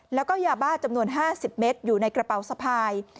แล้วก็ยาบ้าจำนวน๕๐เมตรอยู่ในกระเป๋าสะพาย